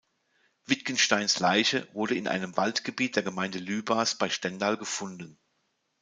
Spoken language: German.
Wittgensteins Leiche wurde in einem Waldgebiet der Gemeinde Lübars bei Stendal gefunden.